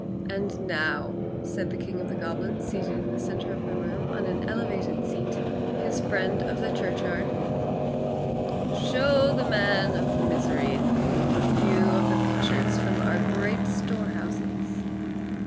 "And now," said the king of the goblins, seated in the centre of the room on an elevated seat his friend of the churchyard "show the man of misery and gloom a few of the pictures from our great storehouses."